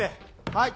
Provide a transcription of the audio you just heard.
はい。